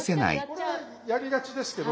これやりがちですけど。